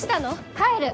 帰る！